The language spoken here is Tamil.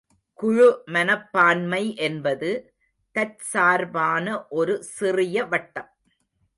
குழு மனப்பான்மை என்பது தற்சார்பான ஒரு சிறிய வட்டம்.